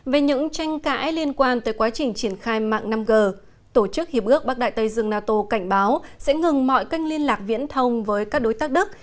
về những tranh cãi liên quan tới quá trình triển khai mạng năm g tổ chức hiệp ước bắc đại tây dương nato cảnh báo sẽ ngừng mọi kênh liên lạc viễn thông với các đối tác đức